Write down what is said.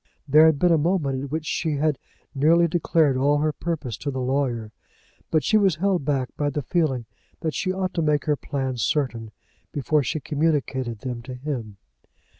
There had been a moment in which she had nearly declared all her purpose to the lawyer, but she was held back by the feeling that she ought to make her plans certain before she communicated them to him.